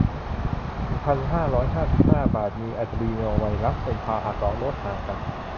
หนึ่งพันหนึ่งร้อยห้าสิบห้า บาท มีอะดรีโนไวรัสเป็นพาหะ สอง โดส ห่างกัน